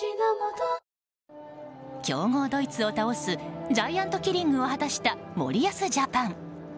強豪ドイツを倒すジャイアントキリングを果たした森保ジャパン。